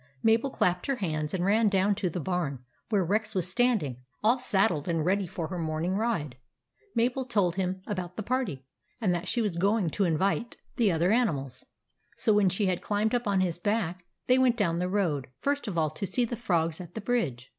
Mabel clapped her hands, and ran down to the barn where Rex was standing, all saddled and ready for her morning ride. Mabel told him about the party, and that she was going to invite 9 120 THE ADVENTURES OF MABEL the other animals. So when she had climbed up on his back, they went down the road, first of all to see the Frogs at the bridge.